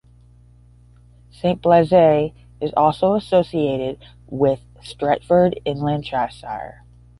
Saint Blaise is also associated with Stretford in Lancashire.